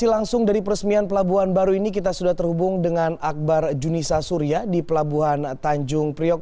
jadi langsung dari peresmian pelabuhan baru ini kita sudah terhubung dengan akbar junisa surya di pelabuhan tanjung priok